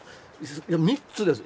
いや３つです。